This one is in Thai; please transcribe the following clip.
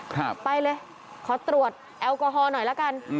ครับไปเลยขอตรวจแอลกอฮอล์หน่อยละกัน